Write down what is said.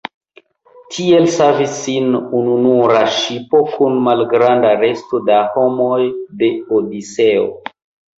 Tiel savis sin ununura ŝipo kun malgranda resto da homoj de Odiseo.